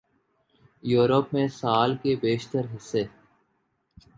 Europe میں سال کے بیشتر حصے